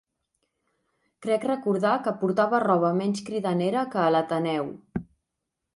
Crec recordar que portava roba menys cridanera que a l'Ateneu.